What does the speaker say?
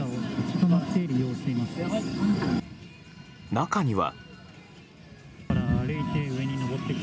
中には。